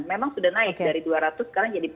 memang sudah naik dari dua ratus sekarang jadi